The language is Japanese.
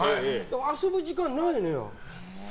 遊ぶ時間ないのよ。